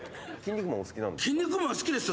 『キン肉マン』好きですよ。